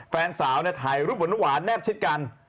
แฟนสาวเนี่ยถ่ายรูปบรรวมหวานแนบเช็ดกัน